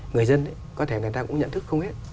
người dân có thể người ta cũng nhận thức không hết